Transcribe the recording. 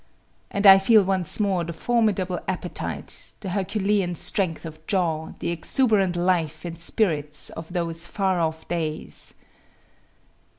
and I feel once more the formidable appetite, the herculean strength of jaw, the exuberant life and spirits of those far off days.